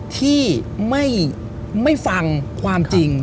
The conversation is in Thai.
ที่ไม่ฟังความจริง